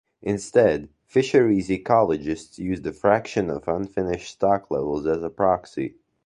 Instead, fisheries ecologists use the fraction of unfished stock levels as a proxy.